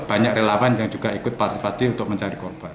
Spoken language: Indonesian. banyak relawan yang juga ikut parti untuk mencari korban